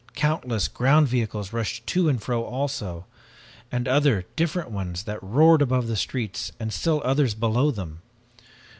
Countless ground vehicles rushed to and fro also, and other different ones that roared above the streets and still others below them!